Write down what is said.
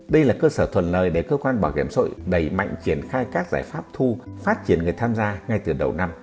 đây là cơ sở thuận lời để cơ quan bảo hiểm xã hội đẩy mạnh triển khai các giải pháp thu phát triển người tham gia ngay từ đầu năm